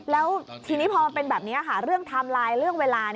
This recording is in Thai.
แล้วพอเป็นแบบนี้เรื่องไทม์ไลน์เพื่อเวลา